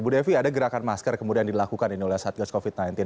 bu devi ada gerakan masker kemudian dilakukan ini oleh satgas covid sembilan belas